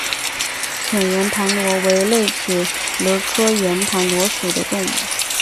浅圆盘螺为内齿螺科圆盘螺属的动物。